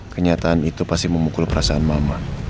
kenyataan itu pasti memukul perasaan mama